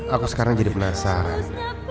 aku sekarang jadi penasaran